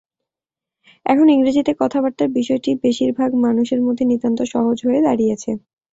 এখন ইংরেজিতে কথাবার্তার বিষয়টি বেশির ভাগ মানুষের মধ্যে নিতান্ত সহজ হয়ে দাঁড়িয়েছে।